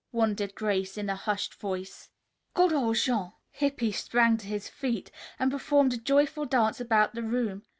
wondered Grace in a hushed voice. "Good old Jean!" Hippy sprang to his feet and performed a joyful dance about the room.